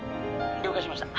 了解しました。